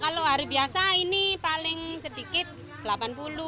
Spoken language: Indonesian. kalau hari biasa ini paling sedikit rp delapan puluh